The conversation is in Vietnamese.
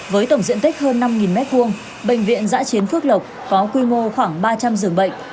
với tổng diện tích hơn năm m hai bệnh viện giã chiến phước lộc có quy mô khoảng ba trăm linh giường bệnh